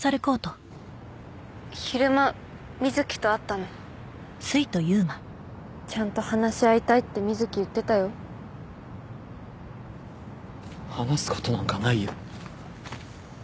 昼間瑞貴と会ったのちゃんと話し合いたいって瑞貴言ってたよ話すことなんかないよ